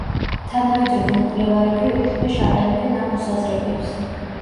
თანამედროვე მკვლევარები ეჭვქვეშ აყენებენ ამ მოსაზრებებს.